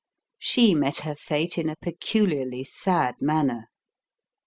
She met her fate in a peculiarly sad manner.